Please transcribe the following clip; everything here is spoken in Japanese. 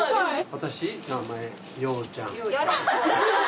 私名前洋ちゃん。